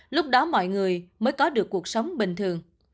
lúc đó mọi người mới có được cuộc sống bình thường